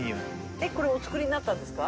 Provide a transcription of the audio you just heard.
これお作りになったんですか？